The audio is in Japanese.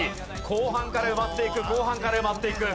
後半から埋まっていく後半から埋まっていく。